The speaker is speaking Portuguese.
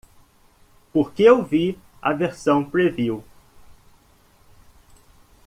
Porque eu vi a versão preview